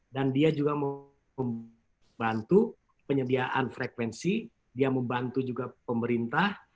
dan dia juga membantu penyediaan frekuensi dia membantu juga pemerintah